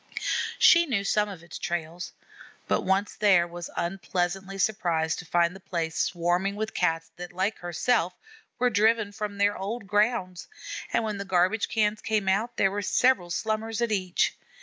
She knew some of its trails; but once there, was unpleasantly surprised to find the place swarming with Cats that, like herself, were driven from their old grounds, and when the garbage cans came out there were several Slummers at each.